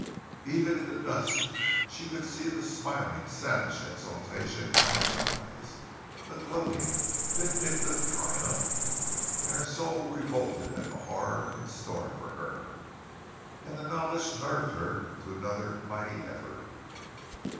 Even in the dusk she could see the smiling, savage exultation in his eyes; the gloating, vindictive triumph, and her soul revolted at the horror in store for her, and the knowledge nerved her to another mighty effort.